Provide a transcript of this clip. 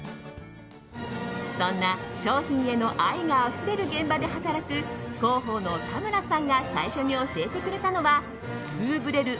そんな商品への愛があふれる現場で働く広報の田村さんが最初に教えてくれたのはツウぶれる！